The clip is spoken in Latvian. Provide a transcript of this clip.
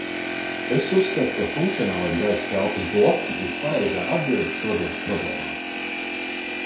Es uzskatu, ka funkcionālie gaisa telpas bloki ir pareizā atbilde šodienas problēmām.